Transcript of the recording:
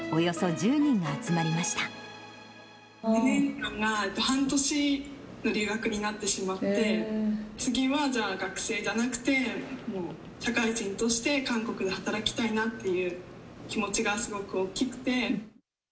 １年間が、半年の留学になってしまって、次はじゃあ、学生じゃなくて、もう社会人として、韓国で働きたいなっていう気持ちがすごく大きくて。